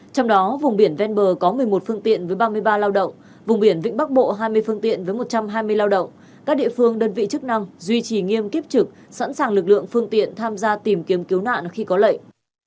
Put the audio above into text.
trong đó vùng biển ven bờ có một mươi một phương tiện với ba mươi ba lao động vùng biển vĩnh bắc bộ hai mươi phương tiện với một trăm hai mươi lao động các địa phương đơn vị chức năng duy trì nghiêm kiếp trực sẵn sàng lực lượng phương tiện tham gia tìm kiếm cứu nạn khi có lệnh